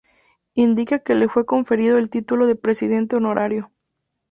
Indica que le fue conferido el título de presidente honorario.